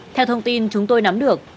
theo thông tin chúng tôi nắm được